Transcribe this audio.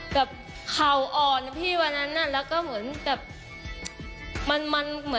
แบบเขาอ่อนพี่วันนั้นแล้วก็เหมือนแบบ